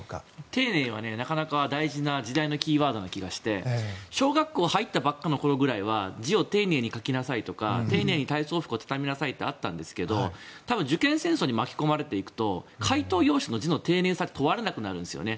丁寧はなかなか大事な時代のキーワードな気がして小学校入ったばかりの頃ぐらいは字を丁寧に書きなさいとか丁寧に体操服を畳みなさいってあったんですが受験戦争に巻き込まれていくと回答用紙の字の丁寧さって問われなくなるんですよね。